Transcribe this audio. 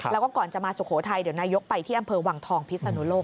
แล้วก็ก่อนจะมาสุโขทัยเดี๋ยวนายกไปที่อำเภอวังทองพิศนุโลก